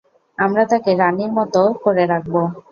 আমরা তাকে রানীর মতো করে রাখব।